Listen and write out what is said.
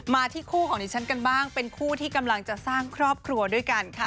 ที่คู่ของดิฉันกันบ้างเป็นคู่ที่กำลังจะสร้างครอบครัวด้วยกันค่ะ